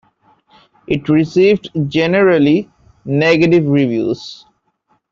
It received generally negative reviews.